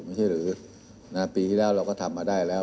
ไม่ใช่หรือปีที่แล้วเราก็ทำมาได้แล้ว